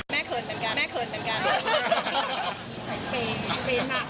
แม่เขินเหมือนกัน